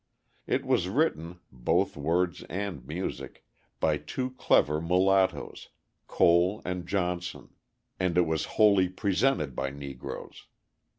It was written, both words and music, by two clever mulattoes, Cole and Johnson; and it was wholly presented by Negroes.